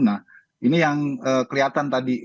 nah ini yang kelihatan tadi